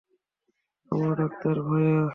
আমরা ডাক্তার, ভায়া।